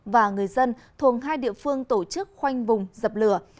và người dân thuộc hai địa phương tổ chức khoanh vùng dập lửa